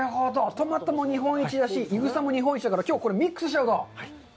トマトも日本一だし、いぐさも日本一だから、きょうこれミックスしちゃうと。